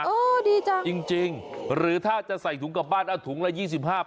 อุ๊ยดีจังจริงหรือถ้าจะใส่ถุงกลับบ้านเอาถุงละ๒๕บาท